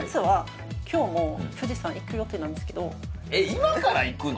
今から行くの？